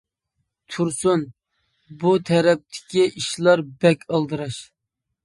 تۇرسۇن :-بۇ تەرەپتىكى ئىشلار بەك ئالدىراش.